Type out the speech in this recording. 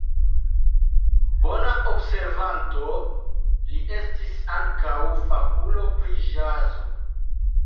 Bona observanto, li estis ankaŭ fakulo pri ĵazo.